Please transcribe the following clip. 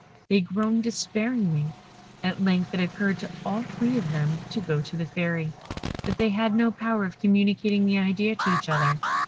They groaned despairingly. At length it occurred to all three of them to go to the Fairy, but they had no power of communicating the idea to each other.